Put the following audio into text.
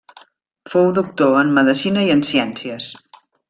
Fou doctor en medecina i en ciències.